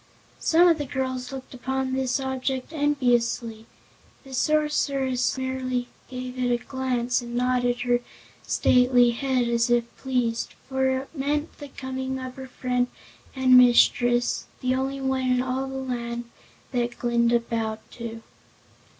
Some of the girls looked upon this object enviously; the Sorceress merely gave it a glance and nodded her stately head as if pleased, for it meant the coming of her friend and mistress the only one in all the land that Glinda bowed to.